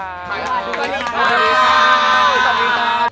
สวัสดีค่ะ